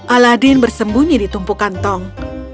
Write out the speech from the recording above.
aladin bersembunyi di tumpu kantong